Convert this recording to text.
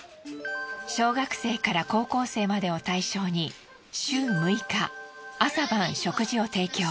小学生から高校生までを対象に週６日朝晩食事を提供。